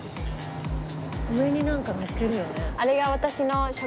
上になんかのっけるよね？